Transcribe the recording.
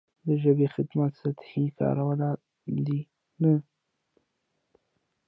د ژبې خدمت سطحي کارونه دي نه.